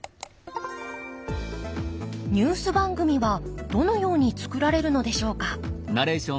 ニュース番組はどのように作られるのでしょうか。